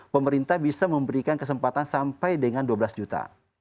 pemerintah bisa memberikan kesempatan sampai dengan dua belas juta